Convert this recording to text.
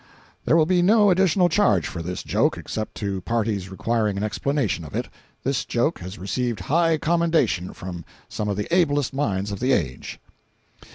[There will be no additional charge for this joke, except to parties requiring an explanation of it. This joke has received high commendation from some of the ablest minds of the age.